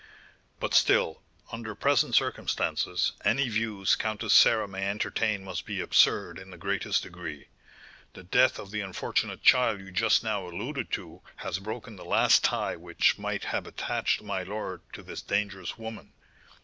"But still, under present circumstances, any views Countess Sarah may entertain must be absurd in the greatest degree; the death of the unfortunate child you just now alluded to has broken the last tie which might have attached my lord to this dangerous woman.